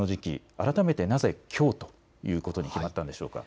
改めて、なぜきょうということに決まったんでしょうか。